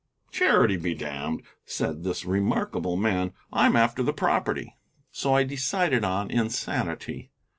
"Charity be damned," said this remarkable man. "I'm after the property." So I decided on insanity.